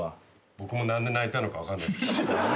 僕も何で泣いたのか分かんないです。